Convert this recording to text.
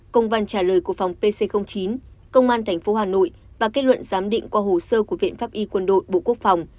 công văn trả lời của phòng pc chín công an tp hà nội và kết luận giám định qua hồ sơ của viện pháp y quân đội bộ quốc phòng